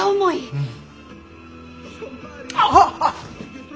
うん。